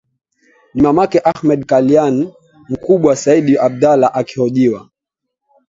ni mamake ahmed kalian mkubwa said abdallah akihojiwa